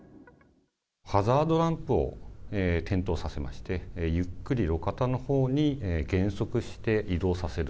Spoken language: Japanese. ハザードランプを点灯させましてゆっくり路肩のほうに減速して移動させる。